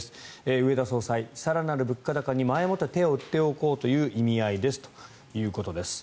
植田総裁、更なる物価高に前もって手を打っておこうという意味合いですということです。